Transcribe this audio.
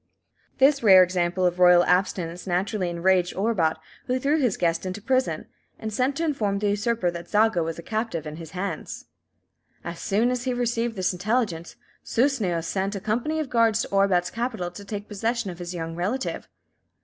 This rare example of royal abstinence naturally enraged Orbat, who threw his guest into prison, and sent to inform the usurper that Zaga was a captive in his hands. As soon as he received this intelligence, Susneos sent a company of guards to Orbat's capital to take possession of his young relative.